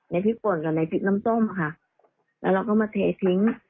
พริกป่นกับในพริกน้ำส้มค่ะแล้วเราก็มาเททิ้ง